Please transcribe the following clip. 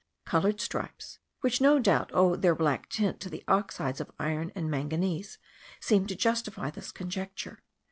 Coloured stripes, which no doubt owe their black tint to the oxides of iron and manganese, seem to justify this conjecture.